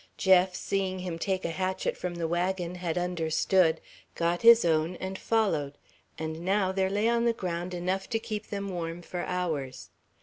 Jeff, seeing him take a hatchet from the wagon, had understood, got his own, and followed; and now there lay on the ground enough to keep them warm for hours.